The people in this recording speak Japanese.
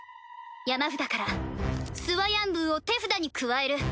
山札からスワヤンブーを手札に加える。